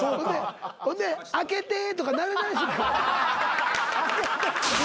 ほんで「開けて」とかなれなれしく。